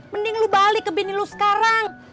mending lu balik ke beni lu sekarang